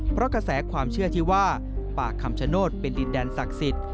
เพราะกระแสความเชื่อที่ว่าป่าคำชโนธเป็นดินแดนศักดิ์สิทธิ์